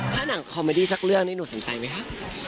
ถ้าหนังคอมเมดี้สักเรื่องนี้หนูสนใจไหมคะ